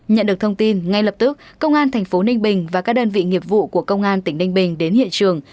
nhận được thông tin ngay lập tức công an thành phố ninh bình và các đơn vị nghiệp vụ của công an tỉnh ninh bình đến hiện trường